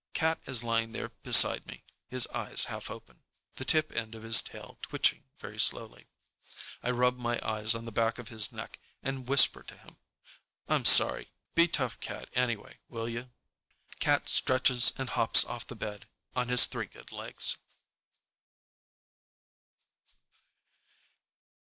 Cat is lying there beside me, his eyes half open, the tip end of his tail twitching very slowly. I rub my eyes on the back of his neck and whisper to him, "I'm sorry. Be tough, Cat, anyway, will you?" Cat stretches and hops off the bed on his three good legs.